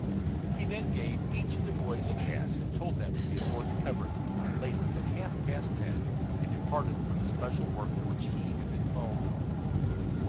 He then gave each of the boys a pass, and told them to be aboard the Everett not later than half past ten o'clock, and departed for the special work to which he had been called.